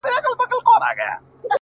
• څنګه د بورا د سینې اور وینو,